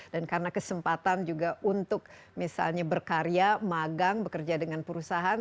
dan karena kesempatan juga untuk misalnya berkarya magang bekerja dengan perusahaan